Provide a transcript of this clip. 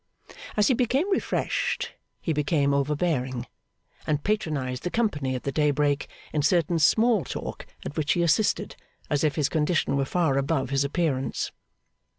As he became refreshed, he became overbearing; and patronised the company at the Daybreak in certain small talk at which he assisted, as if his condition were far above his appearance.